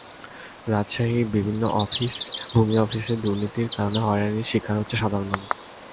রাজশাহীর বিভিন্ন ভূমি অফিসে দুর্নীতির কারণে হয়রানির শিকার হচ্ছে সাধারণ মানুষ।